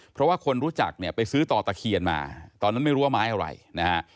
เพราะว่าคนรู้จักเนี่ยไปซื้อต่อตะเคียนมาตอนนั้นไม่รู้ว่าไม้อะไรนะฮะ